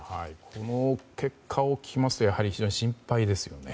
この結果を聞きますと非常に心配ですね。